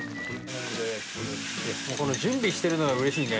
この準備してるのが嬉しいね。